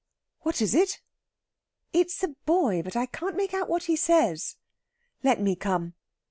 "What is it?" "It's a boy. I can't make out what he says." "Let me come!"